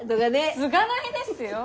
継がないですよ。